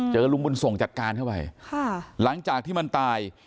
ลุงบุญส่งจัดการเข้าไปหลังจากที่มันตาย